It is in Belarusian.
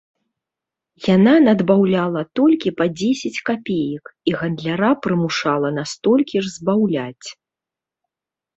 Яна надбаўляла толькі па дзесяць капеек і гандляра прымушала на столькі ж збаўляць.